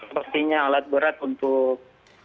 pastinya alat berat untuk